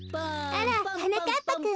あらはなかっぱくん。